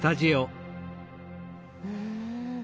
うん。